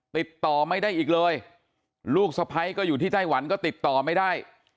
ติดต่อไม่ได้อีกเลยลูกสะพ้ายก็อยู่ที่ไต้หวันก็ติดต่อไม่ได้